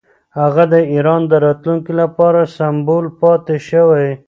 هغه د ایران د راتلونکي لپاره سمبول پاتې شوی.